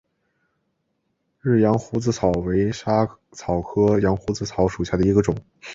日羊胡子草为莎草科羊胡子草属下的一个种。